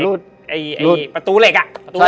หล่นลงมาสองแผ่นอ้าวหล่นลงมาสองแผ่น